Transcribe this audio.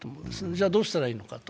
じゃあどうしたらいいのか。